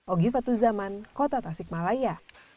ogifat tuzaman kota tasikmalaya